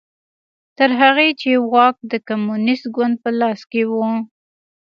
تر هغې چې واک د کمونېست ګوند په لاس کې و